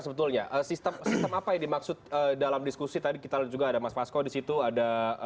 sebetulnya sistem sistem apa yang dimaksud dalam diskusi tadi kita juga ada mas fasko disitu ada